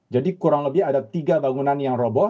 jadi kurang lebih ada tiga bangunan yang robo